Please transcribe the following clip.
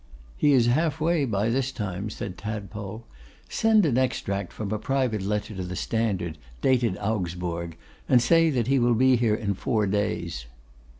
'He is half way by this time,' said Tadpole; 'send an extract from a private letter to the Standard, dated Augsburg, and say he will be here in four days.